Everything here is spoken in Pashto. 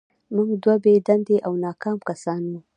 موږ دوه بې دندې او ناکام کسان وو